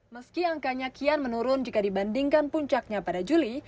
meski angkanya kian menurun jika dibandingkan puncaknya pada juli